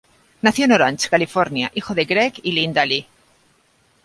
Nació en Orange, California, hijo de Greg y Linda Lee.